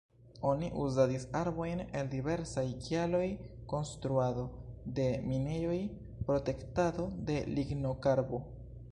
Oni uzadis arbojn el diversaj kialoj- konstruado de minejoj, protektado de lignokarbo.